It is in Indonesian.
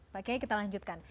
pak kek kita lanjutkan